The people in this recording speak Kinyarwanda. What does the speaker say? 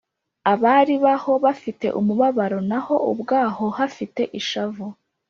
Abari baho bafite umubabaro, Na ho ubwaho hafite ishavu.